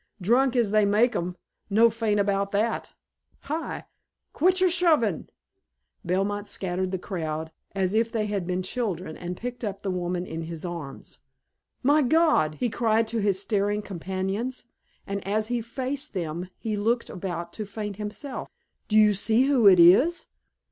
"Drunk as they make 'em. No faint about that Hi! Quit yer shovin' " Belmont scattered the crowd as if they had been children and picked up the woman in his arms. "My God!" he cried to his staring companions, and as he faced them he looked about to faint himself. "Do you see who it is?